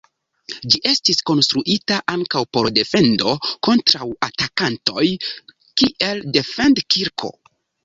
Ĝi estis konstruita ankaŭ por defendo kontraŭ atakantoj, kiel defend-kirko.